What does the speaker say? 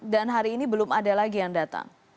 dan hari ini belum ada lagi yang datang